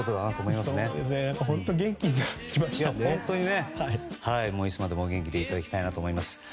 いつまでもお元気でいていただきたいなと思います。